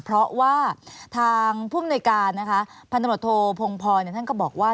เพราะว่าทางภูมิในการพันธโมโทพงภท่านก็บอกว่า